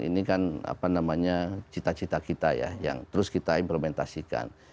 ini kan apa namanya cita cita kita ya yang terus kita implementasikan